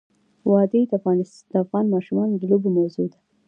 وادي د افغان ماشومانو د لوبو موضوع ده.